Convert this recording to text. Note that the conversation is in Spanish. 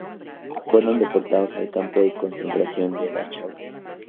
Fueron deportados al Campo de concentración de Dachau.